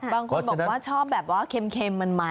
บางคนบอกว่าชอบแบบว่าเค็มมันก็เพิ่มคำ